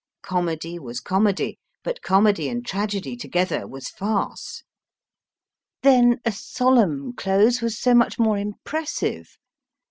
Comedy was comedy, but comedy and tragedy together was farce. Then a solemn close was so much more impressive.